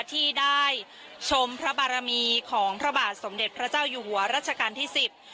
ที่ได้ชมพระบารมีของพระบาทสมเด็จพระเจ้าอยู่หัวรัชกาลที่สิบ